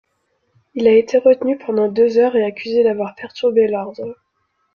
Il a été retenu pendant deux heures, et accusé d'avoir perturbé l'ordre.